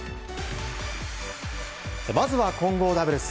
まずは混合ダブルス。